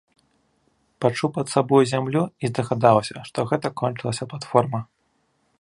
Пачуў пад сабою зямлю і здагадаўся, што гэта кончылася платформа.